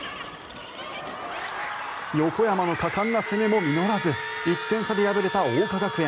横山の果敢な攻めも実らず１点差で敗れた桜花学園。